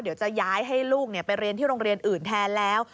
เดี๋ยวจะย้ายให้ลูกไปเรียนที่โรงเรียนอื่นแทนแล้ว